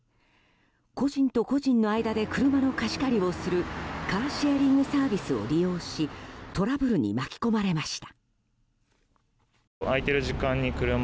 個人と個人の間で車の貸し借りをするカーシェアリングサービスを利用しトラブルに巻き込まれました。